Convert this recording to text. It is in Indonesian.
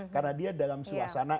karena dia dalam suasana